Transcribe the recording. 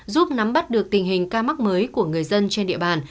giúp nắm bắt được tình hình ca mắc mới của người dân trên địa bàn